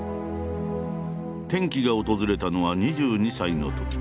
転機が訪れたのは２２歳のとき。